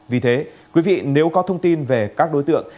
vì thế quý vị nếu có thông tin về các đối tượng